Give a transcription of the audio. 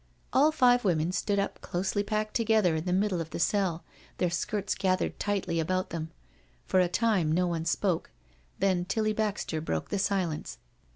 All five women stood up closely packed together in the middle of the cell, their skirts gathered tightly about them. For a time no one spoke, then Tilly Baxter broke the silence.